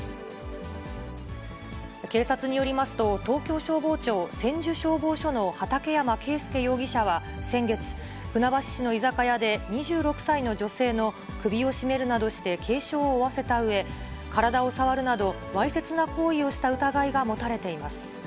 警察によりますと、東京消防庁千住消防署の畠山圭佑容疑者は先月、船橋市の居酒屋で２６歳の女性の首を絞めるなどして軽傷を負わせたうえ、体を触るなど、わいせつな行為をした疑いが持たれています。